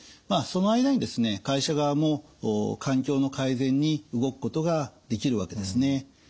その間にですね会社側も環境の改善に動くことができるわけですね。